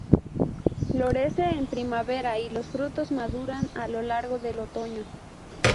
Florece en primavera y los frutos maduran a lo largo del otoño.